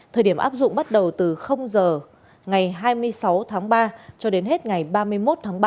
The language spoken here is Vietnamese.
thời điểm áp dụng bắt đầu từ giờ ngày hai mươi sáu tháng ba cho đến hết ngày ba mươi một tháng ba